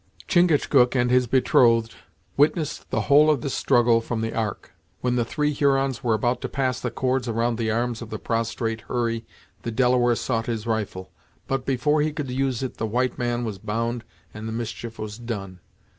Chingachgook and his betrothed witnessed the whole of this struggle from the Ark. When the three Hurons were about to pass the cords around the arms of the prostrate Hurry the Delaware sought his rifle, but, before he could use it the white man was bound and the mischief was done.